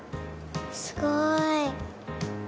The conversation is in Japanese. すごい。